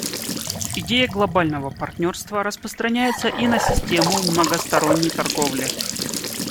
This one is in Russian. Идея глобального партнерства распространяется и на систему многосторонней торговли.